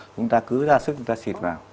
chúng ta cứ ra sức chúng ta xịt vào